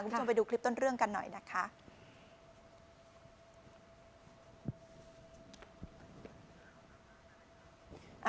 คุณผู้ชมไปดูคลิปต้นเรื่องกันหน่อยนะคะ